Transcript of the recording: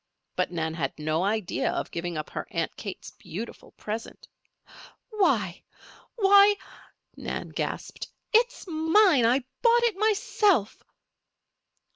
But Nan had no idea of giving up her Aunt Kate's beautiful present. "Why why!" Nan gasped. "It's mine! I bought it myself!"